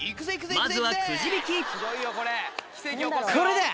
まずはくじ引きこれだ！